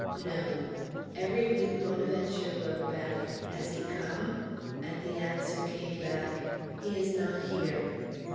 No. Every week Bonaventure wrote back, "Has he come?" and the answer came back, "He is not here."